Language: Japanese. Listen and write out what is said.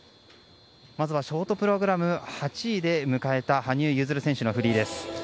まずはショートプログラム８位で迎えた羽生結弦選手のフリーです。